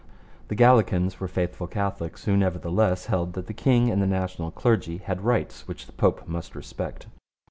The Gallicans were faithful Catholics who nevertheless held that the king and the national clergy had rights which the Pope must respect.